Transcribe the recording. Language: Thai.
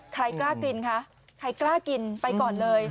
ใครกล้ากินคะใครกล้ากินไปก่อนเลย